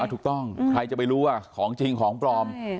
ถูกต้องใครจะไปรู้ว่าของจริงของปลอม